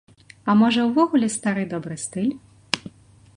А можа ўвогуле стары добры стыль?